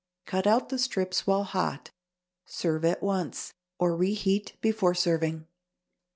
Cut out the strips while hot. Serve at once, or reheat before serving.